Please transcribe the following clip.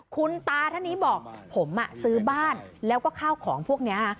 คุณตาท่านนี้บอกผมซื้อบ้านแล้วก็ข้าวของพวกนี้